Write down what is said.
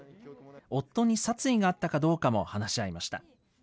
夫に殺意があったかどうかも話し合いました。